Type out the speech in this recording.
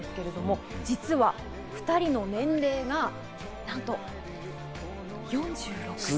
実は２人の年齢が、なんと４６歳。